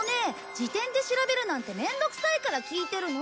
事典で調べるなんて面倒くさいから聞いてるの！